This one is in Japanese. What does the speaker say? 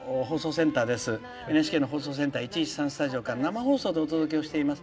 ＮＨＫの放送スタジオから生放送でお届けをしています。